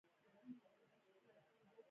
د پروسې پر وړاندې مخالفت کوي.